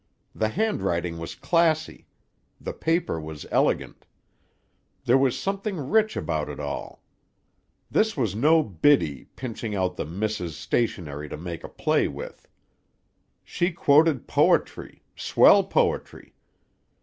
The handwriting was classy. The paper was elegant. There was something rich about it all. This was no Biddy, pinching out the missis' stationery to make a play with. She quoted poetry, swell poetry.